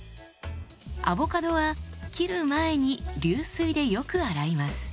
アボカドは切る前に流水でよく洗います。